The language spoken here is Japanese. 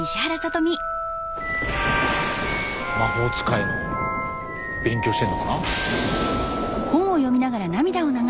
魔法使いの勉強してるのかな？